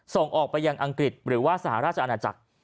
ส่งออกไปยังอังกฤษหรือว่าสหราชอาณาจักร